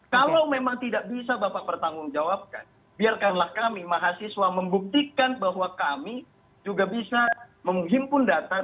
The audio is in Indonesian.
kalau memang tidak bisa bapak pertanggungjawabkan biarkanlah kami mahasiswa membuktikan bahwa kami juga bisa menghimpun data